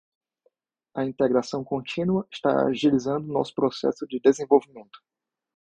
A integração contínua está agilizando nosso processo de desenvolvimento.